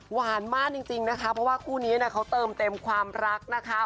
หวานมากจริงนะคะเพราะว่าคู่นี้เขาเติมเต็มความรักนะคะ